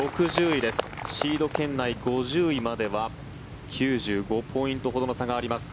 シード圏内５０位までは９５ポイントほどの差があります。